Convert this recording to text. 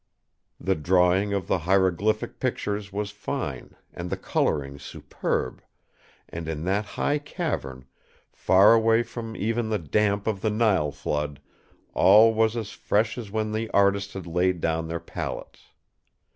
The drawing of the hieroglyphic pictures was fine, and the colouring superb; and in that high cavern, far away from even the damp of the Nile flood, all was as fresh as when the artists had laid down their palettes.